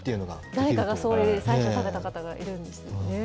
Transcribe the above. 誰かが最初、食べた方がいるんでしょうね。